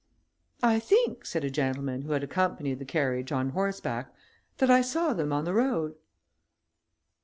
"I think," said a gentleman, who had accompanied the carriage on horseback, "that I saw them on the road."